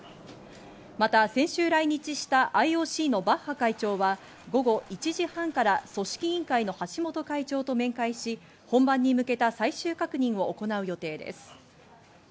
また先週来日したＩＯＣのバッハ会長は午後１時半から組織委員会の橋本会長と面会し、本番に向けた最終確認を行う予定です。